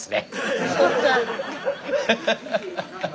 ハハハハッ。